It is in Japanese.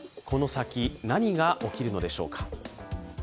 この先、何が起きるのでしょうか。